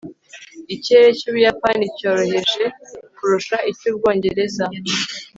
Ikirere cyUbuyapani cyoroheje kurusha icyUbwongereza